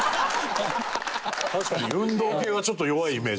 確かに運動系はちょっと弱いイメージあるよね。